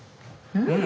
うん！